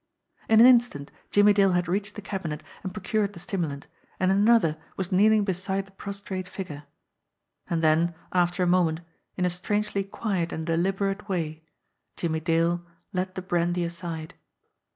In an instant Jimmie Dale had reached the cabinet and procured the stimulant, and in another was kneeling beside the prostrate figure and then, after a moment, in a strangely quiet and deliberate way Jimmie Dale laid the brandy aside.